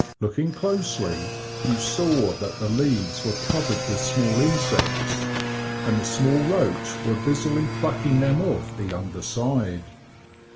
Looking closely, you saw that the leaves were covered with small insects, and the small roach were busily plucking them off the under side.